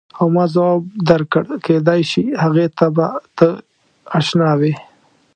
او ما ځواب درکړ کېدای شي هغې ته به ته اشنا وې.